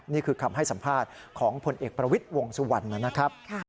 นี่คือคำให้สัมภาษณ์ของผลเอกประวิทย์วงสุวรรณนะครับ